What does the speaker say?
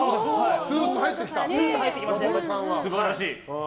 スーッと入ってきました。